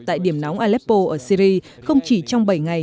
tại điểm nóng aleppo ở syri không chỉ trong bảy ngày